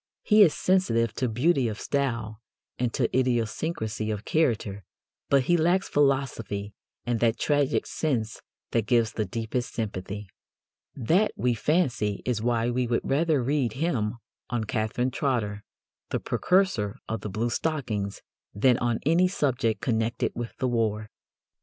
He is sensitive to beauty of style and to idiosyncrasy of character, but he lacks philosophy and that tragic sense that gives the deepest sympathy. That, we fancy, is why we would rather read him on Catherine Trotter, the precursor of the bluestockings, than on any subject connected with the war.